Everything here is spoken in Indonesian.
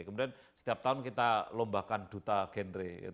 kemudian setiap tahun kita lombakan duta genre